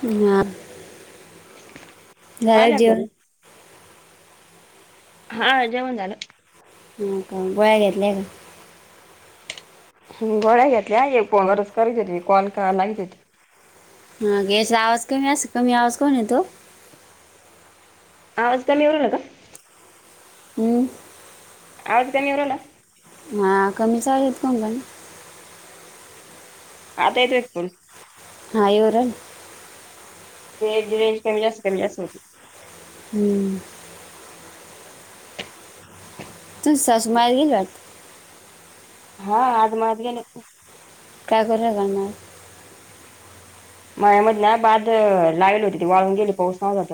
ह झाले आल्या घरी जेवन हा जेवण झालं? का गोळ्या घेतल्या का? गोळ्या घेतल्या कोण रच क घेते कोण का नाही देते हा याचा आवाज कमी अस कमी आवाज कोण येतो आवाज कमी येऊ राहिला का? हम आवाज कमी येऊ राहीला हा कमीच आहेेत कोण पण आता येतोय फुल हाय येऊ राहिला ते रेंज रेंज कमी जास्त कमी जास्त होते हम्म तुझी सासू माहेरी गेली वाटतं हा आज माहेरी गेली काय कराय जाणार? मळ्यामध्ये ना बाद लावेल होती त वाळून गेली पाऊस नाही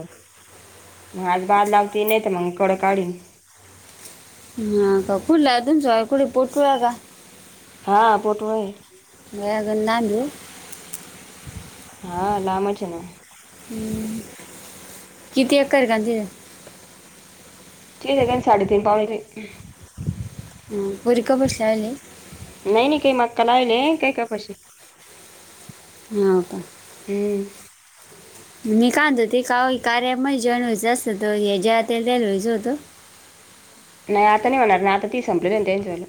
मग आज बाद लावती नाही तर मग कड काढीन ह का कुठला अजून सय कुठ पोटू का. हां पोटूळा हाय म अगून ना आलू [unintelligible] हा लामच हे ना हम्म किती एकर [inaudible] तीन एकर साडे तीन पावणे ती [unintelligible] नाही नाही काही मक्का लावेल काही कपाशी ह हो का हम् मी कांद ते का कार्या म जेईन व्हायचं असत हे जया ताईला व्हायचं होतं नाही आता नाही होणार नाही आता ती संपलीच वेळे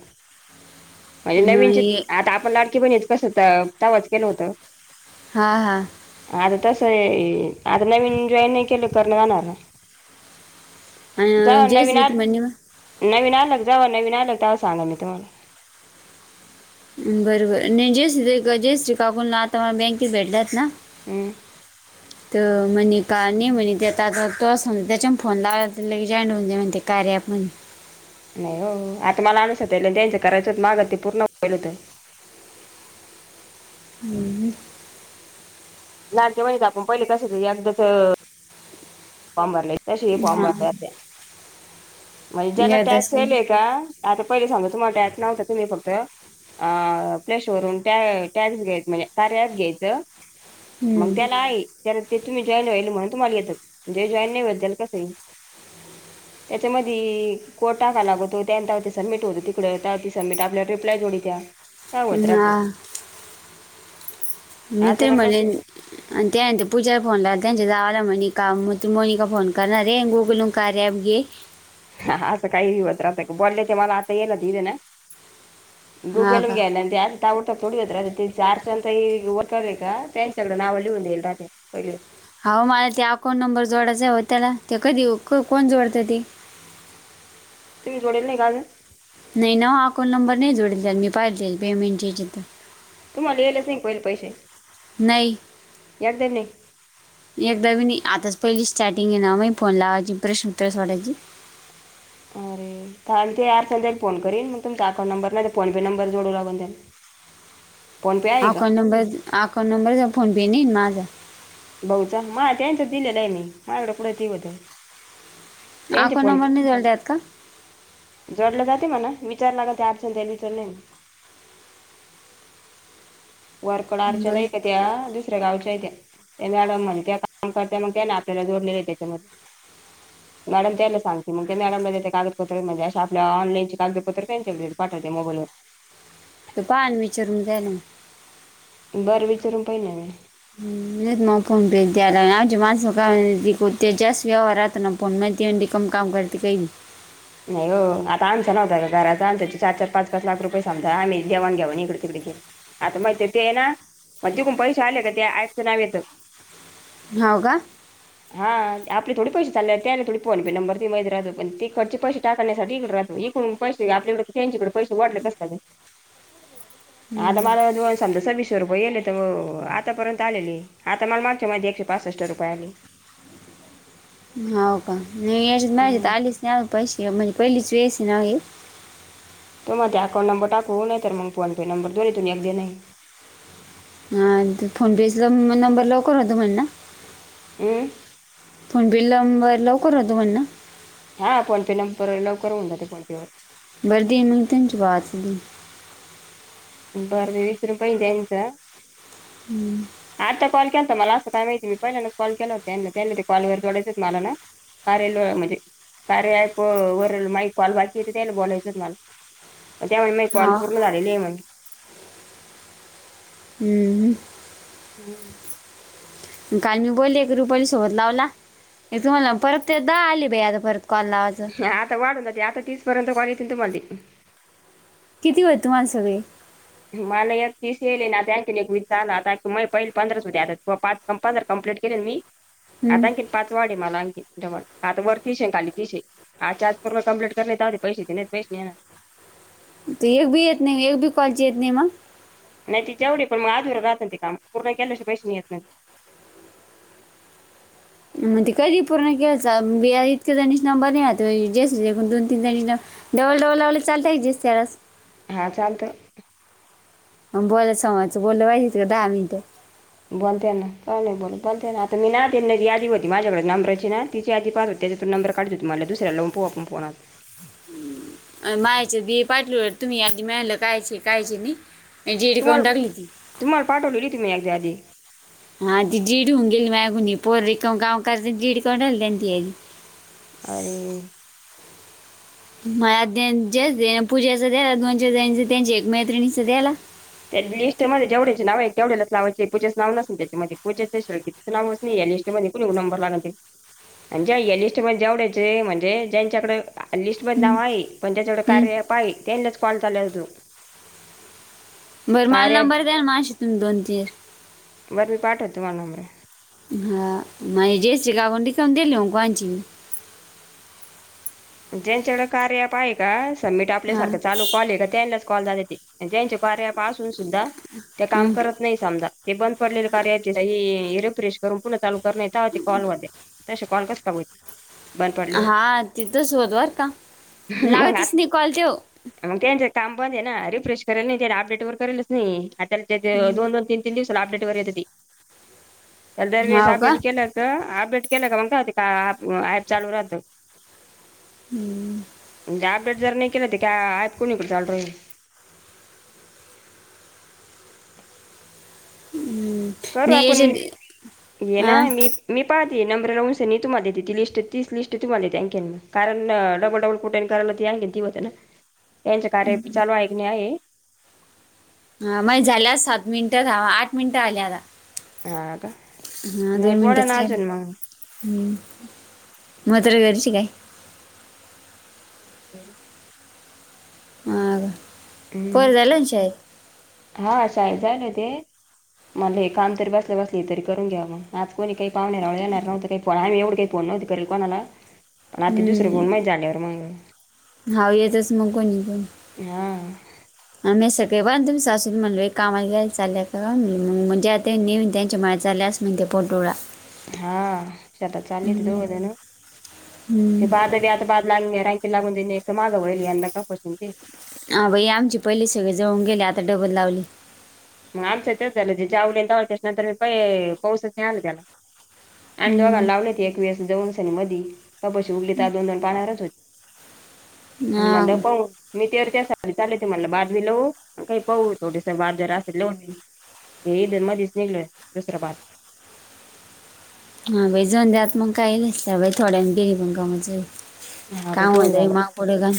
म्हणजे आणि नवीनच हे- आता आपण लाड क्या बहिणीचं कसं तवाच केलं होतं हा हा आता तस आहे हे आता नवीन जॉईन नाही केलं करण जाणार अ जा नवीन जयश्री आ त म्हण्यवा नवीन आलं जवा नवीन आलं तवा सांगणं मी तुम्हाला बर बर नाही जेस जयश्री काकू नं आता मला बँकेत भेटल्यात ना हम्म. तर म्हणे का नाही म्हणे ते तो म्हण त्याच्यान फोन लावला लगे जॉईन म्हणते कार्या अँप नाही हो आता मला अनूसया ताईला त्यांचं करायचंत माझं ते पूर्ण होईल होत हम्म लाडक्या बहिणीचं आपण पहिले कसं होतं एकदाच अ- फॉर्म भरलाय तशी ही फॉर्म भरला हां म्हणजे ज्याला टॅक्स दर्शन येलय का आता पहिले समजा तुम्हाला टॅक्स नव्हता तुम्ही फक्त अ प्लशवरून ट टॅक्स घ्यायच म्हणजे कार्या अँप घ्यायचं मग त्याला आहे त्याला ते तुम्ही जॉईन व्हायलय म्हणून तुम्हाला येतं जे जॉईन नाही होईल त्याला कसं येईल? त्याच्या मदी कोड टाकावा लागतो त्यानंतर सबमिट होत तिकडं तवा ते सबमिट आपल्याला रिप्लाय जोडी त्या त्या होत राहतो हां मि तर अचानक म्हणेन असं आणि त्यानंतर पूजाला फोन ला त्यांच्या जावाला मनिका मोनिका फोन करणारे गुगल कार्या अँप घे असं काही नाही होत राहते बोलले ते मला आता येल दि ना हा गुगलून का घ्यायला लागते ना ते अँप आ टा तथोडीदत ते चारज ओरक का त्यांॅचल नावल्ली एल रा हो मला ते अकाउंट नंबर जोडायचा आहे होत त्याला ते कधी कोण जोडतं ते तुम थोडे ले कााल नाही नवा अकाऊंट नंबर नाही जोडेल त्या मी पाहिजेईल पेमेंट याचीिथं तुम्हाला येईच नाही पहिल पैसे नाही एकदम नाही एकदा ब आताच पहिली स्टार्टिंग आहे ना माग फोन लावायची प्रश्न प्रस वाटायची ह अरे ते यार सल फोन करन मग तुमचा अकाउं नंर फो पे नंबर जोडू लागून द्याल अकाउंट नंबर अकाउंट नंबरच फोनपे नाही माझं भाऊचा म त्यांच दिलेलं आहे मी मा एवढं कुठं दिवत हा कोण नंबर नाही जाल द आहेत का जोडलं जाते म्हणा विचारला का ते अर् त्याला विचारलं वरकळच्यान बरं आहे का त्या दुसऱ्या गावच्या त्या ते मॅडम म्हण का काम करत मग त्या नाही आपल्याला जोडलेले आहे त्याच्यामध्ये ह मॅडम त्या सांगते मग त्या मॅडमला त्या ते कागदपत्र म्हणजे अे आपल्या ऑनलाईन कागदपत्र त्यांच्या पाठवते मोबाईलवर ते पाहान विचरूून झालं बरं विचारून पाहि नाही मी हम् मक्या ना ज मानख होते जस् व्यवहार न पोण मातीन त कम काम करते काही नाही हो आता आमचा नव्हता का घराचचा आम त्या चार पाच पाच लाख रुपये समा आमही देवाण घ्याऊन इकडे तिकडे आता माहिित ते आहे ना मग जिकून पैसे आले का ते ऐकचं नाव येतं ह का हा आपले थोडे पैसे चालले आहेत त्या थोडी फोन प नंबर ते माहित राहत पण ते चे पैसे टाकण्यासाठी इकडे राहतो इकड पैसे आपल्याकडे त्यांच्या इकडे पैसे वाढले कसतात आता मला सस विष शे रुपयेले तर आतापर्यंत आलेली आता मला मागच्या माझ एकशे पासष्ट रुपये आले हो का नाही याच्यात माज हं. आलीच नाही पैसे म्हणजे पहिलीच वेस नाही तो माझ अकां नंबर टाकू नाही तर मग फोने नंबर दोन येतून अगदी नाही ह फोनपेचा नंबर लवकर होतो म्हण ना हं ण बिलर लवकर हो तो म्हण ना [inaudible] हा फोनपे नंबर लवकर होऊन जाते कॉल. बर दिन म त जवाात [inaudible] बरं ते विचरून पहिज यांचं. हम्म आता कॉल केला होता मला असं काय माहिती मी पहिल्यानच कॉल केला होता त्यां त्यांनी ते कॉलगैरे ोडाच होत मला ना हरेलो म्हणजे कारे आहे प वर माही कॉल बाकीेत तेल बोलायचं मला त्यामुळे मग कॉल हो पूर्ण आलेली आहे म्हग हम्म [unintelligible] काल मी बोलले रुपाली सोबत लावला तुम्हाला परत ते द आले बाई आता परत कॉल आज. आता वाढत हो जाते आता तीसपर्यंत कॉल येथील तुम्हाला ते. किती होय तुम्हाला सगळे? मला या तीसले ना त्याँक एक विचारला आता म पहिले पंधराच द्यातात क पाच [unintelligible] पंधरा कंप्लेंट केली मी हम्म. आता, पाच वाडीव आहे मला आणखी व आता वरतीिशे खाली तिशे आजच्या आज कम्लीट करता पैसे नाही पैसे ना [unintelligible] त एक भी येत नाही एक भी कॉलज येत नाही मग नाही ती तेवढ पण मग आधुर राहात ते काम पूर्ण केल्या पैसे येत नाही. म्हग ते कधी पूर्ण केयच इतक्या जणीस नंबर नाही हातो जेस दोन तीन जणी नं- डबळ डबळ लावले चालतेय त्यास. हा चालत बोल स बोलहिजच का दहा मिनिट. बोलते ना का नाही बोल बोलते ना आता मी ना देन नाही यादी होती माझ्याकडे नबरायची ना तिच्या आध पाहत त्या तून नंर काढ द हो तुहाला दुसऱला ला पो आपणोत मायचं दे पाठल तुम्ही आधी मिळालं कायचे काय नाही जेडी करून टाकली ती तुम्हा पाठवले होती मी एकदा आधी हा ती जीडी होऊन गेली मागून पोररी गावकाच जीड काढाली त्यां त अरे म अ पूजेच द्याला द त्यांचे एक मैत्रिणीच द्यायला. त्या लिस्टमध्ये जेवढ्याचे नाव आहे तेवढ्याच नावाचे पूजेच नाव नसे त्याच्यामध्ये पूजेचे किती. नावच ना या लिटमध्ये कोणी नंबर लागून ते. आणिजे या लिस्टमध्येेवढ्याचे म्हणजे ज्यांच्याकडे- लिस्ट मध्ये नाव आहे. पण त्याच्या एवढं हम्म. कार्य ॲप आहे त्यांनाच कॉल चालल. बरं मला कार्यावर नंबर द्याल मशी तुम्ही दोन तर मी पाठवतो तुम्हाला नंबर हा माण जेचगा आपण त का दिले कोंचचीज त्यांच्याकडे कार्य अप आहे का? सबमिट हा आपल्यासारखं चालू- कॉल आहे त्यांच कॉलात त्यांच्या कार्या पाून सुद्धा त्या काम हम्म. करत नाही समजा हे बंद पडले कार्याची इ रिफ करून पुन्हा चालू करण्यात येत आहते कॉल मध्ये तसे कॉल कस - हा तिथंच होतव का? लागतच मगात नाही कॉल ते हो मग काम बंद आहे ना रिफ्रेश करेल नाही त्या अपडेट वर करेलच नाही आ दोन दोन तीन तीन दिवसांवर अपडेट वर येते दर वेळेस का अपडेट केल्ल तर अपडेट केलं का मग का ॲप चालू राहतं. हम्म म्हणजे अपडेट जर नाही केलं ते काय आहेत कोणीकडे चाल र हम् तर आपण ये ना मी मी पाहते नंबर लावून स तुम्हा देत ती लिस्ट ती लिस्ट तुम्हालाेतेंकेन कारण डबल डबल कट कराला आहेयी ती होते ना. ह् त्यांच्या कार्य चालू ऐकणे आहे. ह मग झाल्या सात मिनटात आठ मिनटं आल्यात. हा का. हा नाही दोन बोला मिनिटच ना रा अजून मग हम्म म तर्र घरची काय [unintelligible] ह हम्म. कोर झाले. हा शाळेत जायलय तै. म्हनल हे काम तरी बसलं बसले तरीून घ्या मग आज कोणी काही पाहणेरावने येणार नवत का आमही एवढं का फोन नव्हती करल कोणाला पण आता दुसरं गुण माहि झाल्यावर मग हाव येतच मगोणी पण हा मी सगळे बणुम् सासून म्हणल कामा चा म्हणजे आ ते न्यन त्यांच्या माळ्यात झाले असं म्ह ते पोटुळा हा त्याता चाली दोजन हम्म. ते बाद बा रँकी लागून दि एक मागं होईल यांना का कोशून ती हा आमची पहिली सगळे जळून गेले आता डबल लावली मग आलचं तेच झालं जेवले त्याच्यानंतर मी प पाऊसा आल त्याला आणि दघा हम्म. लावले ते एक वेळेस दोनसनी मधी तपशी उगली तर दोन दोन पाहच होते आणि हा मडप मी ते त्यासाठी चालते मला बादमी लवू काही पाहू ोस बास्त हे धर्मा दिस निघलोय दुसरा पाात हा बा जाऊन द्याात मग काही थोड्या गिरी पण का म हा बाई काम तेवढं होत झालं. माग पुढं घण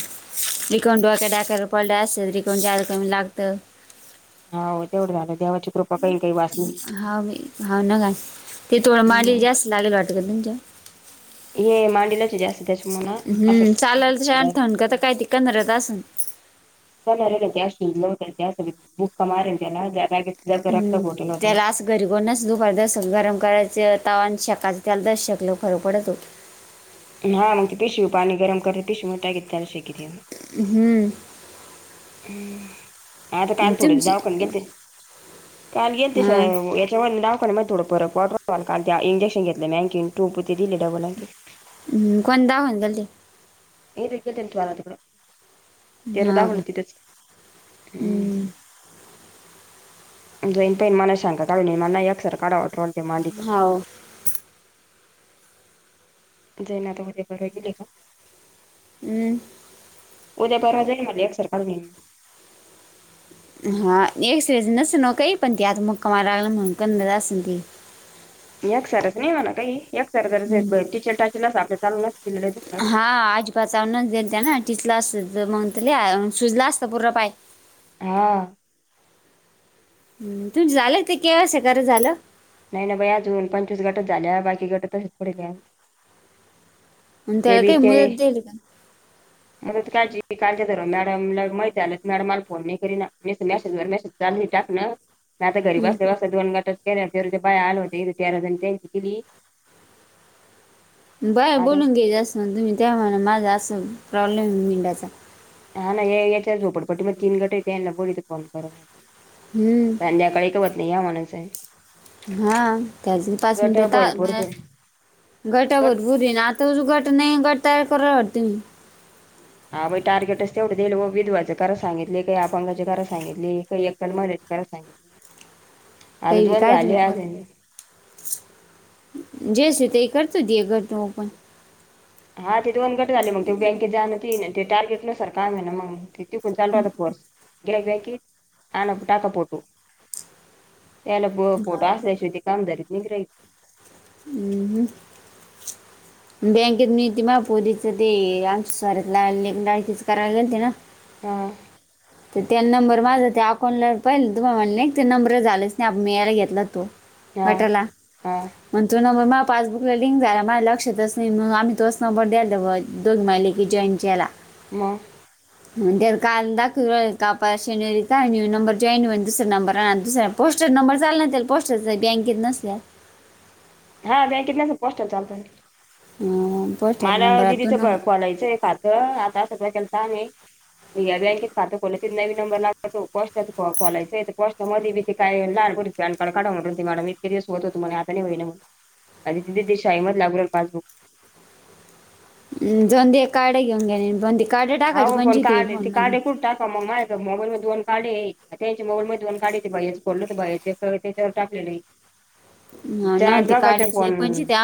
लिकवन डोवाक्या डाकय पडलं असत लिकवं जाज कमी लागतं हो हो तेवढं झालंव हव मी हाव नका त तोड माली हम्म जास्त लागेल वाट करतच्या हे मांडलाचे जास्त त्याच्यामुळ ना असं हम्म चालाल त अथण काता काय त कधऱ्यात अस चरे ना त्या शिजलं होत त्या सग बुक्का मारे त्याला जक्त हम्म बोटेल होता त्याला असं घरी कोंनाच दुपारी दस गरम करायचे तावन शेकाच तेल दस शेकल फरक पडत हो हा मग ते पिशवू पाणी गरम करते पिशवू टाक ल श किे हम्म हमं आता आणि काल तुमची थोडच ावखन गेलते काल गेलते हा याच्यावर दाखन मग थोडं परतॉ इंजेक्शन घेतलं मँ टु ते दिले डबलँ हम् कोण द होन गलदी हे रक तन त वाारत तेरादाा हा का होलं तिथंच हम्म जईन पन मना शांग काढून म नाही असर काढावरटते मांडीचा होव जय ना हो बहिले का हम्म उद्या बरा जाई मला एक सरख वे हा एकक्स वेज नस न काही पण तेी आता मक्कामा लागला म्हणून कंद अस तेी एक सारच नाही म्हणा काही एक सरच टीचल टाचेल अस आपल्या चालू न दि दुख बचावणच देईल त्या ना टिचला अस मग त्या श सुजला असतं पूरं पाय हा तु झालं ते केवसा झालं! नाही ना बाई अजून पंचवीस गटच झाल्या बाकी गट तसेच पडले आणि ते त्याला बी काही ते मुदत दिली का? मग का कालच्या मॅडमला माहिती आलं मॅडम मला फोन नाही करी ना मे मेसेजवर मेसेज चाली टाकणं नाही आता घरी हम्म बस बस दोन गटच केल्या ते ते बाय आल होते तेराण त्यां दिली बरं आता बोलून घ्याय जा असं म्ह तुम्ही त्यामुळे माझा असं प्रॉब्लेम मेंडाचा हा ना याच्या झोपडपट्टी मध्ये तीन गट होते यांना बोललीित फोन करून हम्म सध्याकाडे क वत नाही आहे म्हण स हा त्या पाच गट मिनिट भरपूर गटावर गट पुर येन आ तर ज गट नाही गट तयार करवरतती मी हा बाई टार्गेटच तेवढं दिल व विधवाचंरा सांगितले काही आपगाची करा सांगितली काही एककल मडचे करायला सागितले काही विकयच मध्ये जेस ते करतो. दे घर तपण हा ते दोन गट झाले मग ते बँकेत जाणं ती ते टार्गेटला सर काय आहे. ना मग कोांात पर् गि्रक ग आना टडाका पट [unintelligible] त्याला फोटो असल्याशिवाय ते काम दरीत नाही गृहीत हम बँकेत मी ते माझ्या पोरीचं ते आमच्या आमचं सारीत लेकीचं करायला गेलती ना हा तर त्या नंबर माझा त्या अकाउंटला पाहिलं. तुम म्हणले एक ते नंबर झालाच नाही. आपण मि यायला घेतला तो हा वेटला हा मग तो नंबर मला पासबुकला लिंक झाला मला लक्षातच नाही मग आम्ही तोच नबर द्यायला बघ दोघी महिले की जॉईन केला मग त्याला काय त्याने काल दाखवलं शनि नंबर जॉईनन दुसरा नंबर आण दुसरा पोस्टर नंबर चालणार पोस्ट [unintelligible] बँकेत नसल्या हा बँकेत नसलं तर पोस्टात चालतं पोस्ट चलत ह मला दिदीचं ब खोलायचंय खात आता सगळं केलता आम्ही या बँकेत खातं खोला नवीन नंबर लागत तो पोस्टाचं खोलायचं पोस्टमध्ये बी ते काय लहान पोरीचं पॅन कार्ड काढव मॅडम इतके दिवस होत म्हणे आता नाही होई ना आणि ते तिथे शाळेमध्ये लागू राहिला पासबुक ते जाऊंदे काढ घेऊन या बंध ह पण काढ ती काढे कुठ टाका मग माह मोबाईल मध्ये दोन का्ढ त्यांचे मोबाईल मध्ये दोन का्ड ते बाईच खोडलं तर बाईचे त्या टाकले. ह ना ते काढाच पण फोन ते